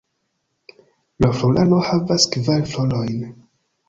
La floraro havas kvar florojn.